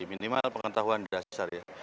minimal pengetahuan dasar ya